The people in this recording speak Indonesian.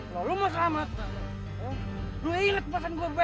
kalau lo mau selamat lo inget pesan gue bye bye